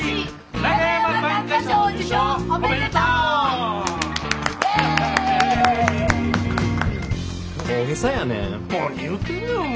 何言うてんねんお前。